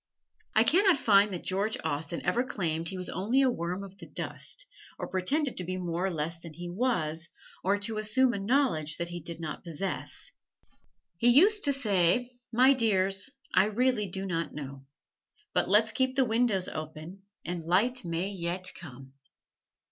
I can not find that George Austen ever claimed he was only a worm of the dust, or pretended to be more or less than he was, or to assume a knowledge that he did not possess. He used to say: "My dears, I really do not know. But let's keep the windows open and light may yet come."